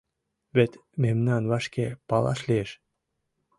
Вет мемнам вашке палаш лиеш.